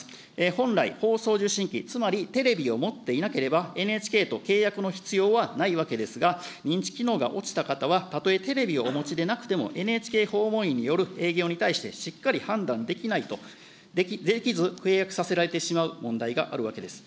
本来、放送受信機、つまりテレビを持っていなければ、ＮＨＫと契約の必要はないわけですが、認知機能が落ちた方はたとえテレビをお持ちでなくても、ＮＨＫ訪問員による営業に対してしっかり判断できない、できず、契約させられてしまう問題があるわけです。